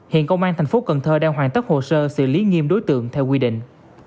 hiện công an thành phố cần thơ đang hoàn tất hồ sơ xử lý nghiêm đối tượng theo quy định